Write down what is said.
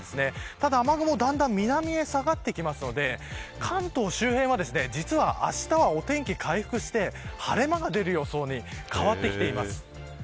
ただ雨雲だんだん南へ下がってくるので関東周辺は実は、あしたはお天気回復して晴れ間が出る予想に変わってきています。